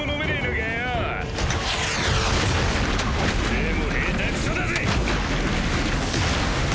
でも下手くそだぜ！